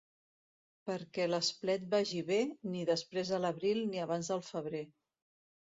Perquè l'esplet vagi bé, ni després de l'abril ni abans del febrer.